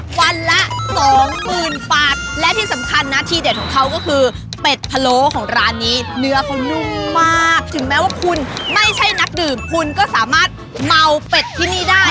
พะโลของร้านนี้เนื้อเขานุ่มมากถึงแม้ว่าคุณไม่ใช่นักดื่มคุณก็สามารถเมาเป็ดที่นี่ได้